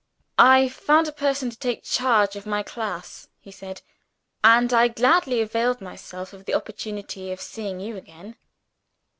"I found a person to take charge of my class," he said; "and I gladly availed myself of the opportunity of seeing you again."